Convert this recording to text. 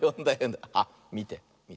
あっみて。